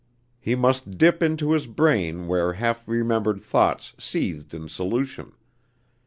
He must dip into his brain where half remembered thoughts seethed in solution.